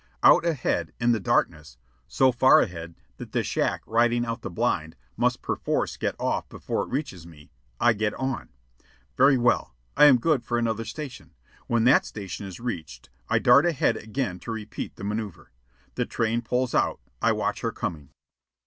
Out ahead, in the darkness, so far ahead that the shack riding out the blind must perforce get off before it reaches me, I get on. Very well. I am good for another station. When that station is reached, I dart ahead again to repeat the manoeuvre. The train pulls out. I watch her coming.